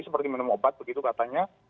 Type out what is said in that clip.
seperti minum obat begitu katanya